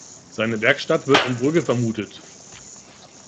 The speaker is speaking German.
Seine Werkstatt wird in Brügge vermutet.